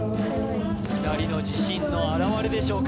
２人の自信の表れでしょうか